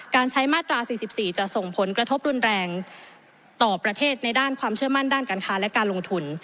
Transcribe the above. การใช้มาตรา๔๔จะส่งผลกระทบรุนแรงต่อประเทศในด้านความเชื่อมั่นด้านการค้าและการลงทุน